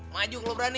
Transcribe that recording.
maju kalau berani